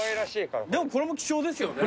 でもこれも貴重ですよね。